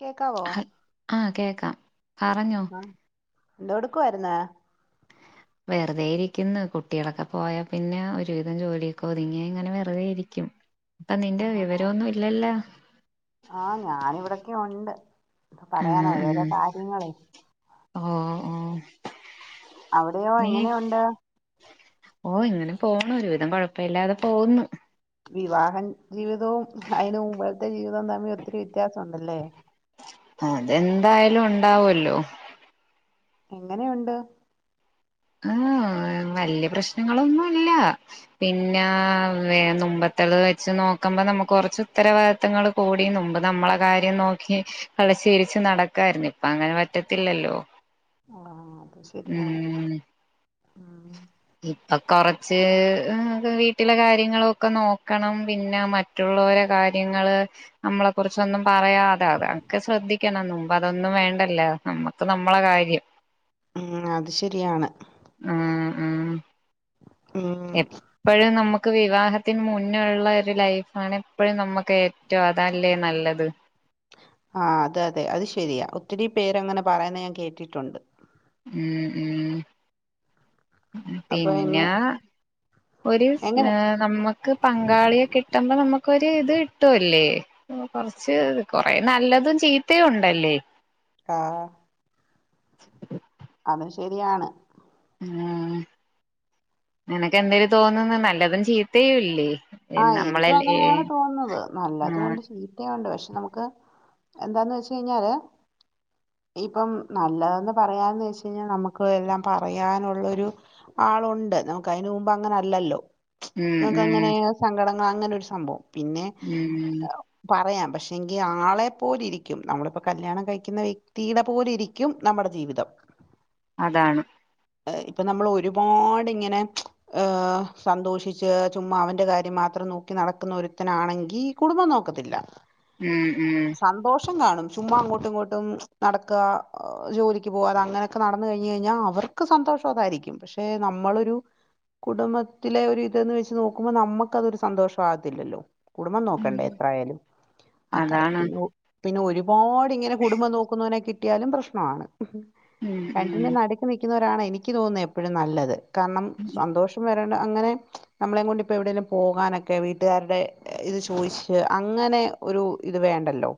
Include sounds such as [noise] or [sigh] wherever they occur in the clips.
കേക്കാവോ ഹ ആഹ് കേക്കാം പറഞ്ഞോ എന്താടുക്കുമായിരുന്നേ വെറുതെ ഇരിക്കുന്നു കുട്ടികളൊക്കെ പോയാ പിന്നെ ഒരുവിധം ജോലിയൊക്കെ ഒതുങ്ങിയ ഇങ്ങനെ വെറുതെയിരിക്കും അപ്പൊ നിന്റെ വിവരൊന്നും ഇല്ലല്ല ആ ഞാൻ ഇവിടക്കെ ഉണ്ട് ഇപ്പൊ ആഹ് പറയാനോ ഓരോരോ ആഹ് കാര്യങ്ങള് ആ അവിടെയോ എങ്ങനെയൊണ്ട് ഓ ഇങ്ങനെ പോണ ഒരുവിധം കൊഴപ്പ ഇല്ലാതെ പോുന്നു വിവാഹം ജീവിതവും അതിനു മുമ്പ മ്പത്തെ ജീവിതം തമ്മിൽ ഒത്തിരി വ്യത്യാസമുണ്ടല്ലേ അതെന്തായാലും ഉണ്ടാവല്ലോ എങ്ങനെയുണ്ട് ആഹ വലിയ പ്രശ്നങ്ങളൊന്നുമില്ല പിന്നെ മുമ്പത്തെുള്ളത് വെച്ച് നോക്കുമ്പോ നമ്മുക്ക് കൊറച്ച് ഉത്തരവാദിത്തങ്ങൾ കൂടി മുമ്പ് നമ്മളെ കാര്യം നോക്കി കളിച്ചു ചിരിച്ചു നടക്കായിരുന്നു ഇപ്പ അങ്ങനെ പറ്റത്തില്ലല്ലോ ആഹ അത് ശെരിയാണ് ഉം ഹ്മ്മ് ഇപ്പൊ കൊറച്ച് വീട്ടിലെ കാര്യങ്ങളൊക്കെ നോക്കണം പിന്നെ മറ്റുള്ളവരെ കാര്യങ്ങള് നമ്മളെ കുറിചൊന്നും പറയാതെ അതെെ ശ്രദ്ധിക്ക കണം മുമ്പ് അതൊന്നും വേണ്ടല്ലോ നമ്മുക്ക് നമ്മളെ കാര്യം ഉം അത് ശരിയാണ് മഹ് ഉം എപ്പഴും നമുക്ക് വിവാഹ ത്തിന് മുന്നുള്ള ഒരു ലൈഫാണ് എപ്പോഴും നമ്മുക്ക് ഏറ്റവും അതല്ലേ നല്ലത് ആഹ് അത് അതെ അത് ശരിയാ ഒത്തിരി പേരങ്ങനെ പറയുന്ന ഞാൻ കേട്ടിട്ടുണ്ട് ഉം ഉം അപ്പൊ എങ്ങ പിന്നാ ഒരു എങ്ങനെ ഏ നമുക്ക് പങ്കാളിയെ കിട്ടുമ്പോ നമുക്കൊരു ഇത് കിട്ടുവല്ലേ കൊറച്ച് കൊറേ നല്ലതും ചീത്തയും ഉണ്ടല്ലേ ആഹ് അത് ശരിയാണ് ഉ നിനക്ക് എന്തേലും തോന്നന്ന് നല്ലതും ചീത്തേയുവില്ലേ ആഹ് എനിക്കും അങ്ങനെയാണ് തോന്നുന്നത് ഉം നല്ലതുണ്ട് ചീത്തയുണ്ട് പക്ഷെ നമക്ക് എന്താന്ന് വെച്ച കഴിഞ്ഞാല് ഇപ്പം നല്ലതന്ന് പറയാൻ ന്ന് വെച്ച കഴിഞ്ഞാൽ നമുക്ക് എല്ലാം പറയാനുള്ള ഒരു ആളുണ്ട് നമുക്ക് അതിനന് മുമ്പ് അങ്ങനെ അല്ലല്ലോ ഉം നമുക്ക് ഉം അങ്ങനെ [unintelligible] അങ്ങനെ ഒരു സംഭവം പിന്നെ ഉം പറയാം പക്ഷെങ്കി ആളെ പോലെ ഇരിക്കും നമ്മളിപ്പോ കല്യാണം കഴിക്കുന്ന വ്യക്തിടെ പോലെ ഇരിക്കും നമ്മുടെ ജീവിതം അതാണ് ഇപ്പൊ നമ്മൾ ഒരുപാട് ഇങ്ങനെ സന്തോഷിച്ച് ചുമ്മാ അവൻ്റെ കാര്യം മാത്രം നോക്കി നടക്കുന്ന ഒരുത്തൻ ആണെങ്കി കുടുംബം നോക്കത്തില്ല ഉം ഉം [unintelligible] കാണും ചുമ്മാ അങ്ങോട്ടും ഇങ്ങോട്ടും നടക്കുക ജോലിക്ക് പോകാതെ അങ്ങനെയൊക്കെ നടന്ന കഴിഞ്ഞഞ് കഴിഞ്ഞാൽ അവർക്ക് സന്തോഷം അതായിരിക്കും പക്ഷെ നമ്മളൊരു കുടുംബത്തിലെ ഒരു ഇതന്ന് വെച്ച് നോക്കുമ്പോൾ നമുക്ക് അതൊരു സന്തോഷവാവത്തില്ലല്ലോ കുടുംബം നോകണ്ടേ എത്രായാലും അങ്ങനെ അതാണ് പിന്നെ ഒരു പാട് ഇങ്ങനെ കുടുംബം നോക്കുന്നവനെ കിട്ടിയാലും പ്രശ്നമാണ് ഉം ഉം രണ്ടിൻ്റെ നടുക്ക് നിക്കുന്ന ആണ് എനിക്ക് തോന്നുന്നത് എപ്പോഴും നല്ലത്. കാരണം സന്തോഷം അങ്ങനെ നമ്മളെ കൊണ്ട് ഇപ്പോ എവിടെലും പോകാനൊക്കെ വീട്ട്കാരുടെ ഇത് ചോയ്ച്ച് അങ്ങനെ ഒരു ഇത് വേണ്ടല്ലോ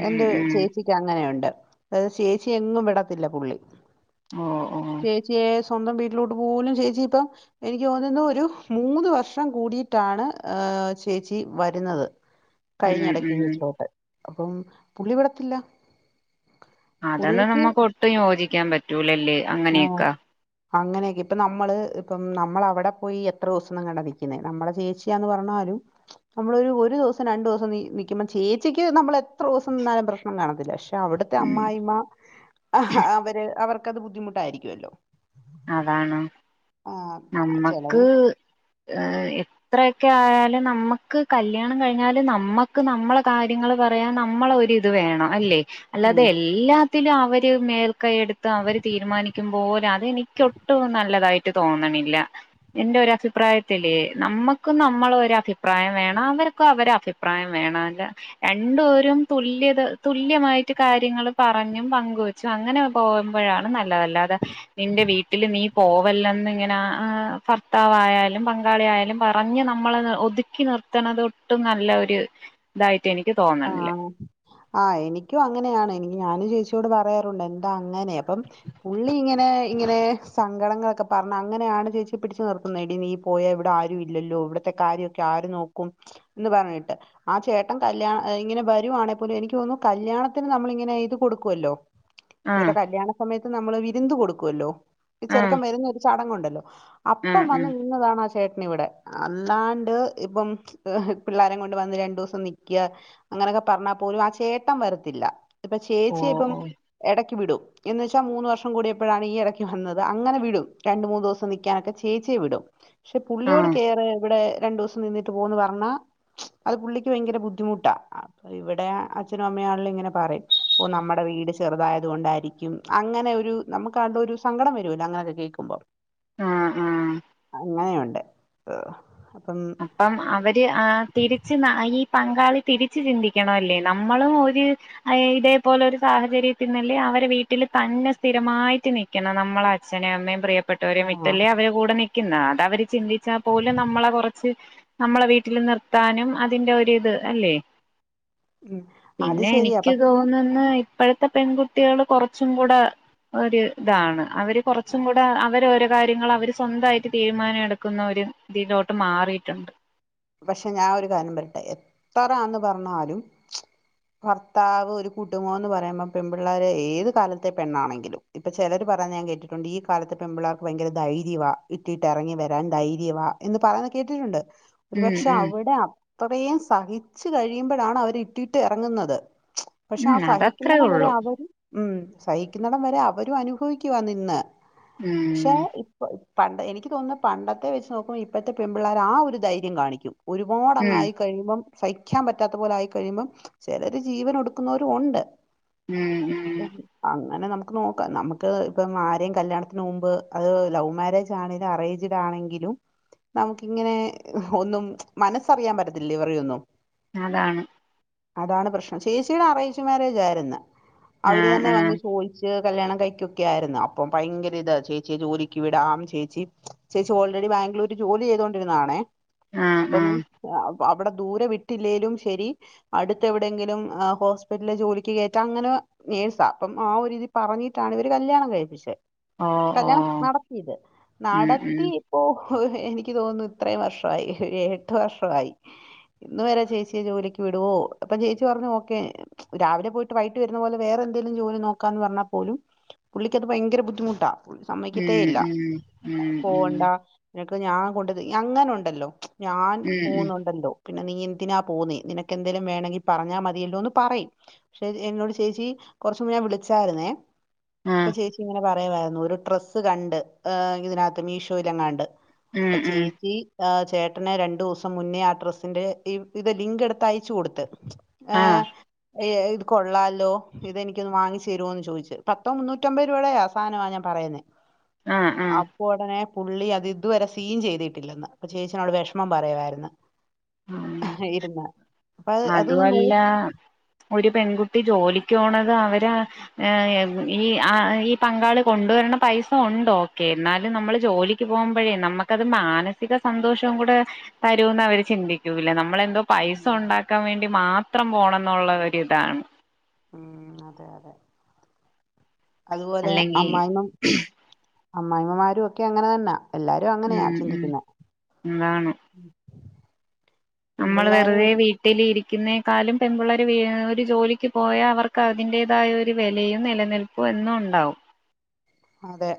ഉം എന്റെ ഉം ചേച്ചിക്ക് അങ്ങനെയുണ്ട് അത് ചേച്ചി എങ്ങും വിടത്തില്ല പുള്ളി ഓ ഓ ചേച്ചിയെ സ്വന്തം വീട്ടിലോട്ട് പോലും ചേച്ചി ഇപ്പം എനിക്ക് തോന്നുന്നു ഒരു മൂന്ന് വർഷം കൂടിട്ടാണ് ചേച്ചി വരുന്നത് ഉം കഴിഞ്ഞെടക്ക് ഉം വീട്ടിലോട്ട് അപ്പം പുള്ളി വിടത്തില്ല അതൊന്നും പുള്ളിക്ക് നമ്മുക്ക് ഒട്ടും യോജിക്കാൻ പറ്റൂല്ലേ അങ്ങനെക്കെ ഇപ്പ നമ്മള് ഇപ്പം നമ്മള് അവിടെ പോയി എത്ര ദിവസം [unintelligible] നമ്മുടെ ചേച്ചിയാന്ന് പറഞ്ഞാ അത് നമ്മളൊ ഒരു ദിവസം രണ്ടു ദിവസം നൽക്കുമ്പം ചേച്ചിക്ക് നമ്മൾ എത്ര ദിവസം നിന്നാലും പ്രശ്നം കാണത്തില്ല അവിട്ത്തെ ഉം അമ്മായിഅമ്മ അവര് അവർ ത് ബുദ്ധിമുട്ടായിരിക്കോല്ലോ അതാണ് ചെലവ് നമ്മക്ക് ഹേ എത്രയോക്കെ ആയാലും നമ്മക്ക് കല്യാണം കഴിഞ്ഞാല് നമ്മക്ക് നമ്മളെ കാര്യങ്ങള് പറയാൻ നമ്മള് ഒരിത് വേണം അല്ലേ അല്ലാതെ ഉം എല്ലാ തില് അവര് മേൽക്കയെടുത്ത് അവര് തീരുമാനിക്കുമ്പോലെ അതെനി ഒട്ടും നല്ലതായിട്ട് തോന്ന്ണില്ല എന്റെ ഒരു അഭിപ്രായത്തില് നമ്മക്കും നമ്മളെ ഒരു അഭിപ്രായം വേണം അവർക്കും അവരെ അഭിപ്രായം വേണംല്ലേ രണ്ട് പേരും തുല്യത തുല്യമായിട്ട് കാര്യങ്ങള് പറഞ്ഞും പങ്കുവെച്ചും അങ്ങനെ പോകുമ്പോഴാണ് നല്ലതല്ലാതെ നിന്റെ വീട്ടി വീട്ടില് നീ പോവല്ലന്ന് ഇങ്ങനെ ആ ഭർത്താവായാലും പങ്കാളി ആയാലും പറഞ്ഞ് നമ്മളെ ഒതുക്കി നിർത്തണത് ഒട്ടും നല്ല ഒരു ഇതായി- ആ ആ എനിക്കും അങ്ങനെയാണ് ഇനി ഞാനും ചേ ചേച്ചിയോട് പറയാറുണ്ട് എന്താ അങ്ങനെ അപ്പം പുള്ളി ഇങ്ങനെ ഇങ്ങനെ സങ്കടങ്ങളൊക്കെ പറഞ്ഞ അങ്ങനെയാണ് ചേച്ചി പിടിച്ചു നിർത്തുന്നത് എടി നീ പോയാ ഇവിടെ ആരും ഇല്ലല്ലോ ഇവിടത്തെ കാര്യമൊക്കെ ആര് നോക്കും എന്ന് പറഞ്ഞിട്ട് ആ ചേട്ടൻ കല്യാണ- ഇങ്ങനെ വരുവാണെ പോലും എനിക്ക്തോന്നുന്നു കല്യാണത്തിന് നമ്മളിങ്ങനെ ഇത് കൊടുക്കുവല്ലോ? ആഹ് ഇവരുടെ കല്യാണ സമയത്ത് നമ്മള്- വിന്ത് കൊടുക്കുവല്ലോ? ഈ ആഹ് ചെറുക്കൻ വരുന്ന ഒരു ചടങ്ങ് ഒണ്ട്- അപ്പം ആഹ് വന്ന് ആഹ് നിന്നതാണ് ആ ചേട്ടൻ ഇവിടെ അല്ലാണ്ട് ഇപ്പം പിള്ളോരേം കൊണ്ട് വന്ന് രണ്ട് ദിവസം നിക്ക- അങ്ങനെയൊക്കെ പറഞ്ഞാൽ പോലും ആ ചേട്ടൻ വരത്തില്ല- ഇപ്പൊ ഓ ചേച്ചി ഇപ്പം ഓ എടക്ക്- വിടും എന്നു വെച്ചാ മൂന്ന് വർഷം കൂടിയപ്പോഴാണ് ഈ ഇടക്ക് വന്നത് അങ്ങനെ വിടും രണ്ട് മൂന്ന് ദിവസം നിക്കാനൊക്കെ ചേച്ചിയെ വിടും പക്ഷെ പുള്ളിയോട് ആഹ് കേറ് ഇവിടെ രണ്ടു ദിവസം നിന്നിട്ട് പോന്ന് പറഞ്ഞാ അത് പുള്ളിക്ക് ഭയങ്കര ബുദ്ധിമുട്ടാ അ ഇവിടെ അച്ഛനും അമ്മയും ആണേലും ഇങ്ങനെ പറയും ഓ നമ്മുടെ വീട് ചെറുതായത് കൊണ്ടായിരിക്കും അങ്ങനെ ഒരു നമുക്ക് ആകെ ഒരു സങ്കടം വരുല്ലോ അങ്ങനെയൊക്കെ കേൾക്കുമ്പോൾ ആഹ് ആഹ് അങ്ങനെയുണ്ട് ഏഹ് അപ്പം അപ്പം അവര് ആ തിരിച്ച് നാ ഈ പങ്കാളി തിരിച്ചു ചിന്തിക്കണല്ലേ നമ്മളും ഒരു ഇതേപോലെ ഒരു സാഹചര്യത്തിന്നല്ലേ അവരെ വീട്ടിൽ തന്നെ സ്ഥിരമായിട്ട് നിക്കണം നമ്മളെ അച്ഛനേ അമ്മയും പ്രിയ ട്ടവരെ ആ വിട്ടല്ലേ അവരെ കൂടെ നി ക്ന്നാ അതവര് ചിന്തിച്ചാൽ പോലും നമ്മളെ കുറ ച്ച് നമ്മളെ വീട്ടിൽ നിർത്താനും അതിറെ ഒരിത് അല്ലേ ഉം അത് പിന്നെ ശരിയാ എനിക്ക് പക്ഷെ തോന്നുന്ന് ഇപ്പഴത്തെ പെൺകുട്ടിയേൾ കുറച്ചും കൂടെ ഒരു ഇതാണ് അവര് കുറച്ചും കൂടെ അവര ഓ കാര്യങ്ങൾ അവർ സ്വന്തായിട്ട് തീരുമാനം എടുക്കുന്ന ഒരു ഇതിലോട്ട് മാ റിയിട്ടുണ്ട് പക്ഷെ ഞാൻ ഒരു കാര്യം പറയട്ടെ എത്രാന്ന് പറഞ്ഞാലും ഭർത്താവ് ഒരു കൂടുംമ്മോന്ന് പറയുമ്പോ പെൺപിള്ളേർ ഏത് കാലത്തെ പെണ്ണാണെങ്കിലും ഇപ്പൊ ചിലര് പറഞ്ഞേ ഞാൻ കേട്ടിട്ടുണ്ട് ഈ കാലത്ത് പെൺപിള്ളേർക്ക് ഭയങ്കര ധൈര്യവാ ഇട്ടിട്ട് ഇറങ്ങി വരാൻ ധൈര്യവാ എന്ന് പറയുന്ന കേട്ടിട്ടുണ്ട് ഉം ഒരുപക്ഷെ ഉം അവിടെ അത്രയും സഹിച്ചു കഴിയുമ്പഴാണ് അവര് ഇട്ടിട്ട് ഇറങ്ങുന്നത് പക്ഷെ ഉം ആ അതത്രേ സഹിക്കുന്നയിടം വരെ ഉള്ളൂ അവരെ ഉം സഹിക്കുന്നടം വരെ അവരും അനുഭവിക്കുവാ നിന്ന് പക്ഷേ ഉം ഇപ്പൊ ഇ പണ്ടെ എനിക്ക് തോന്നുന്നു പണ്ടത്തെ വെച്ച് നോക്കുമ്പോ ഇപ്പോഴത് പെൺപിള്ളേർ ആ ഒരു ധൈ ര്യം കാണിക്കും ഒരുപാട് ഉം അങ്ങായി കഴിയുമ്പം സഹിക്കാൻ പറ്റാത്ത പോല ആയി കഴിയുമ്പം ചിലര് ജീവൻ ഒടുക്കുന്നവരും ഉണ്ട് ഉം അ ങ്ങനെ നമുക്ക് നോക്കാം നമുക്ക് ഇപ്പം ആരെയും കല്യാണത്തിന് മുമ്പ് അത് ലവ് മാരേജ് ആണെലും അറേഞ്ച്ഡ് ആണെങ്കിലും നമുക്കിങ്ങനെ ഒന്നും മനസ്സറിയാൻ പറ്റത്തില്ല ഇവരടെയൊന്നും അതാണ് അതാണ് പ്രശ്നം ചേച്ചിയുടെ അറേഞ്ച് മാര്യേജ് ആയിരുന്ന് അവര് ആഹ് തന്നെ വന്ന് ആഹ് ചോയിച്ച് കല്യാണം കഴിക്കൊക്കെ ആയിരുന്നു അപ്പം ഭയങ്കര ഇത് ചേച്ചിയെ ജോലിക്ക് വിടാം ചേച്ചി ചേച്ചി ഓൾറെഡി ബാംഗ്ലൂര് ജോലി ചെയ്തോണ്ടിരുന്നതാണേ ആഹ് അപ്പം ആഹ് അവിടെ ദൂരെ വിട്ടില്ലെലും ശരി അടുത്ത് എവിടെയങ്കിലും ഹോസ്പിറ്റലില് ജോലിക്ക് കയറ്റാ അങ്ങനെ നേഴ്സാ അപ്പം ആ ഒരിതി പറഞ്ഞിട്ടാണ് ഇവര് കല്യാണം കഴിപ്പിച്ചെ ഓ ഓ കല്യാണം നടത്തിയത് ഉം ഉം നടത്തി ഇപ്പോ ഓ എനിക്ക് തോന്നുന്നു ഇത്രയും വർഷ വായി എട്ട് വർഷമായി ഇന്ന് വരെ ചേച്ചിയെ ജോലിക്ക് വിടുവോ അപ്പൊ ചേച്ചി പറഞ്ഞു ഓക്കെ രാവിലെ പോയിട്ട് വൈകട്ട് വരുന്ന പോലെ വേറെന്തെങ്കിലും ജോലി നോക്കാന്ന് പറഞ്ഞാൽ പോലും പുള്ളിക്കത് ഭയങ്കര ബുദ്ധിമുട്ടാ- സമ്മയികതേ ഇല്ല ഉം ഉം ഉം പോവണ്ട- നിനക്ക് ഞാൻ കൊണ്ട അങ്ങനൊണ്ട്- ഉണ്ടല്ലോ? ഞാൻ ഉം ഉം ഉം പോകുന്നുണ്ടല്ലോ- പിന്നെ നീ എന്തിനാ പോന്നേ നിനക്ക് എന്തേലും വേണമെങ്കിൽ പറഞ്ഞാ മതിയല്ലോന്ന് പറയും പക്ഷെ എന്നോട് ചേച്ചി കുറച്ചും മുന്നെ വിളിച്ചായിരുന്നേ- അപ്പൊ ആഹ് ചേച്ചി ഇങ്ങനെ പറ വേവാരുന്നു ഒരു ഡ്രെസ്സ് കണ്ട് ഏഹ് ഇതിനാത്ത് മീഷോയിലെങ്ങാണ്ട് ഉം ഉം ഇപ്പച്ചേച്ചി ആ ചേട്ടനെ രണ്ടൂസം മുന്നേ ആ അഡ്രസ്സിന്റെ ഈ ഇത് ലിങ്ക് എടുത്തയച്ചു കൊടുത്ത് ആഹ് ആഹ്‌ ഏഹ്‌ ഇത് കൊള്ളാ ലോ ഇതെനിക്കൊന്ന് വാങ്ങിച്ചരോന്നു ചോയ്ച്ച് പത്തോ മുന്നൂറ്റമ്പത് രൂപയുടെയാ സാധനമാ ഞാൻ പറയുന്നെ ആഹ് ആഹ് അപ്പൊ ഉടനെ പുള്ളി അത് ഇതുവരെ സീൻ ചെയ്തിട്ടില്ലെന്ന് അപ്പൊ ചേച്ചിന്നോട് വിഷമം പറയുവായിരുന്നു ഇരുന്ന് അപ്പൊ അത് അതൊന്ന് അതുവല്ല നോക്കി ഒരു പെൺകുട്ടി ജോലി ക്കോണത് അവര് ഏഹ് ഈ ആഹ് ആഹ് ഈ പങ്കാളി കൊണ്ടുവരണ പൈസ ഒണ്ടോ ഓക്കെ എന്നാലും നമ്മള് ജോലിക്ക് പോകുമ്പോഴേ നമ്മക്കത് മാനസിക സന്തോഷവും കൂടെ തരൂന്ന് അവര് ചിന്തിക്കൂല്ല നമ്മളെ ന്തോ പൈസ ഒണ്ടാ ക്കാൻ വേണ്ടി മാത്രം പോണംന്നുള്ള ഒരിതാണ് ഉം അതെ അതെ അതുപോലെ അല്ലെങ്കി അമ്മായിമ്മേം അമ്മായിമ്മമാരു ഒക്കെ അങ്ങനെ തന്നാ എല്ലാരും അങ്ങനെയാ ഉം ഉം ചിന്തിക്ക്ന്നെ അതാണ് നമ്മള് വെറ്തേ ഒരു വീട്ടിലിരി ക്കിന്നേക്കാലും പെമ്പിള്ളേര് വി ഒര് ജോലിക്ക് പോയാ അവർക്ക് അതിന്റേതായ ഒര് വെലയും നിലനിൽപ്പും എന്നും ഉണ്ടാവും അതെ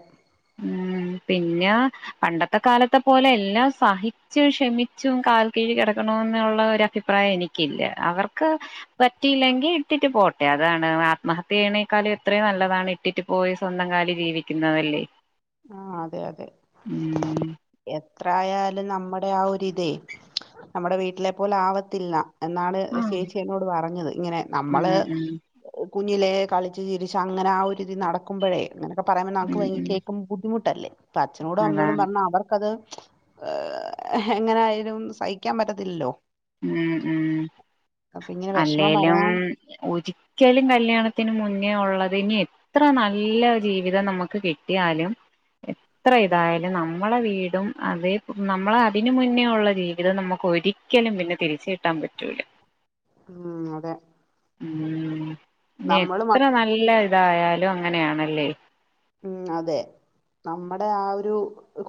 ഉം പിന്നാ പണ്ടത്തെ കാലത്തെ പോലെ എല്ലാം സഹിച്ച് ക്ഷമിച്ചു കാൽ കീഴികിടക്കണംന്നുള്ള ഒരഅഭിപ്രായം എനിക്കില്ല അവർക്ക് പറ്റിയില്ലെങ്കി ഇട്ടിട്ട് പോട്ടെ അതാണ് ആത്മഹത്യ ചെയ്യണേക്കാളും എത്രയൊ നല്ലതാണ് ഇട്ടിട്ട് പോയി സ്വന്തം കാലിൽ ജീവിക്കുന്നതല്ലേ ആ അതെ അതെ ഉം എത എത്രായാലും നമ്മുടെ ആ ഒരിതേ നമ്മടെ വീട്ടിലെ പോലെ ആവത്തില്ല എന്നാള് ആഹ് ചേച്ചി എന്നോട് പറഞ്ഞത് ഇങ്ങനെ ഉം നമ്മള് ഉം കുഞ്ഞിലേ കളിച്ച് ചിരിച്ച് അങ്ങനെ ആ ഒര്തി നടക്കുമ്പഴേ അങ്ങനെക്കെ പറയാൻവെന്നാ ആൾക്ക് ഉം വയ് കെ ഉം ബുദ്ധിമുട്ടല്ല അപ്പ അച്ഛനോടും അമ്മയോടും അതാണ് പറഞ്ഞ അവർക്കത് ഏ എങ്ങനൊയാലും സഹിക്കാൻ പറ്റത്തില്ലല്ലോ ഉം ഉം അപ്പൊ ഇങ്ങനെ വിഷമം അല്ലേലും പറയാൻ ഒരിക്കലും കല്യാണത്തിന് മുൻ ന്നെള്ളത് ഇനി എത്ര നല്ല ജീവിതം നമുക്ക് കിട്ടിയാലും എത്ര ഇതായാലും നമ്മളെ വീടും അതേ നമ്മള അതിന് മുന്നേഉള്ള ജീവിതം നമുക്ക് ഒരി രിക്കലും പിന്നെ തിരിച് കിട്ടാൻ പറ്റൂല ഉം അതെ ഉം ഇനി നമ്മള് എത്ര മക്ക നല്ല ഇതായാലും ദും അങ്ങനെയാണല്ലേ ഉം അതെ നമ്മുടെ ആ ഒരു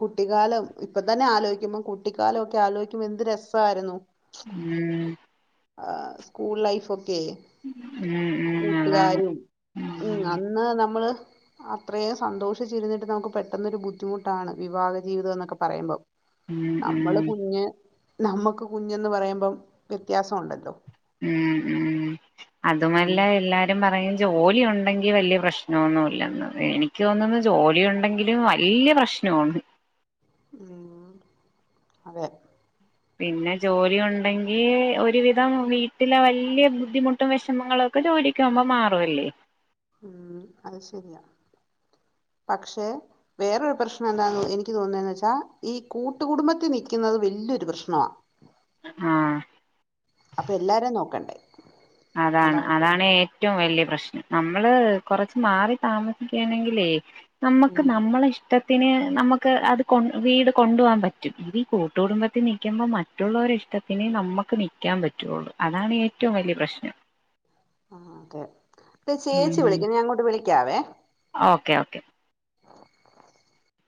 കുട്ടിക്കാലം ഇപ്പ തന്നെ ആലോചിക്കുമ്പം കുട്ടിക്കാലംഒ ക്കെ ആലോയിക്കുമ്പോ എന്ത് രസായിരുന്നു ഉം..... ആ സ്കൂൾ ലൈഫ് ഒക്ക ഉം െ ഉം അതാണ് കൂട്ടുകാരും ഉം അന്ന് നമ്മള് അത്രയും സന്തോഷിച്ചിരുന്നിട്ട് നമുക്ക് പെട്ടെന്നൊ ഒരു ബുദ്ധിമുട്ടാണ് വിവാഹ ജീവിതം എന്നൊക്കെ പറയുമ്പോം ഉം നമ്മള് ഉം കുഞ്ഞ്.... നമ്മുക്ക് കുഞ്ഞന്ന് പറയുമ്പം വ്യത്യാസഉണ്ടല്ലോ ഉം ഉം അതുമല്ല എല്ലാരും പറയും ജോലിയുണ്ട് ണ്ടങ്കി വല്യ പ്രശ്നോൊന്നുമല്ലെ എനിക്ക് തോന്നുന്നു ജോലിയ ഉണ്ടെങ്കിലും വലിയപ്രശ്നന്ന് ഉവ്വെ പിന്നെ ജോലി ഉണ്ടെങ്കി ഒരുവിധം വീട്ടിലെ വലിയ ബുദ്ധിമുട്ടും വിഷമങ്ങള ഒക്കെ ജോലിക്പോ വുമ്പോ മാറുംല്ലേ ഉം അത് ശരിയാ പക്ഷെ വേറൊരു പ്രശ്നം എന്താ എനിക്ക് തോന്നിയന്ന് വച്ചാ ഈ കൂട്ടുകുടുംബത്തിൽ നിൽക്കുന്നത് വലിയൊരു പ്രശ്നമാ ആ അപ്പൊ എല്ലാരും നോക്കണ്ടേ അതാണ് അതാണ് ഏ..... റ്റവും വലിയ പ്രശ്നം നമ്മള് കൊറച്ച് മാറി താമസിക്കയാണെങ്കിലേ..... നമക്ക് ഉം നമ്മളെ ഇഷ്ട ഇത്തിന് നമുക്ക് അത് കൊ വീട് കൊണ്ടുപ പോകാൻ പറ്റും ഇഈ ഈ കൂട്ടുകടുംബത്തിൽ നിൽക്കുമ്പോൾ മറ്റുള്ളവരു ഇഷ്ടത്തിന് നമുക്ക് നിൽക്കാൻ പറ്റുകുള്ളു അതാണ് ഏറ്റവും വലിയ പ്രശ്നം ആ അതെ ഇ ചേച്ചി ഉം വിളിക്കുന്നു ഞാൻങ്ങോട്ട് വിളിക്കാവേ ക്കെ ഓക്കെ